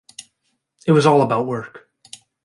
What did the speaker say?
It was all about work.